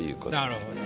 なるほど。